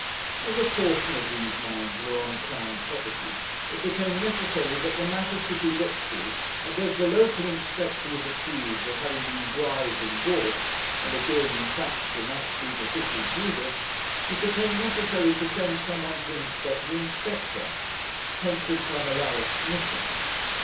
As a portion of these mines were on Crown property it became necessary that the matter should be looked to, and as the local inspector was accused of having been bribed and bought, and of being, in fact, an absolute official Judas, it became necessary to send some one to inspect the inspector. Hence had come Alaric's mission.